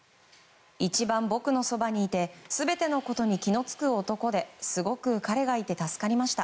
一番僕のそばにいて全てのことに気が付く男ですごく彼がいて助かりました。